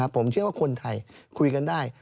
ผมเชื่อว่าคนไทยคุยกันได้